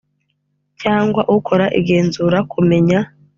cyangwa ukora igenzura kumenya